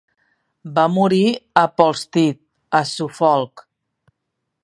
Va morir a Polstead, a Suffolk.